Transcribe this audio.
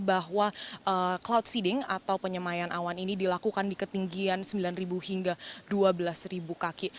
bahwa cloud seeding atau penyemayan awan ini dilakukan di ketinggian sembilan hingga dua belas kaki